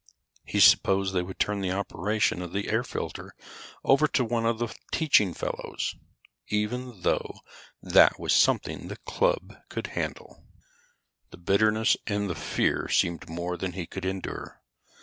He supposed they would turn the operation of the air filter over to one of the teaching fellows, even though that was something the club could handle. The bitterness and the fear seemed more than he could endure.